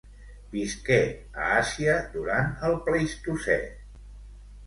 Visqué a Àsia durant el Pleistocè.